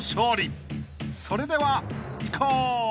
［それではいこう］